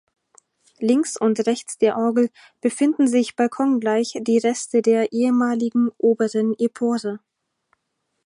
Links und rechts der Orgel befinden sich balkongleich die Reste der ehemaligen oberen Empore.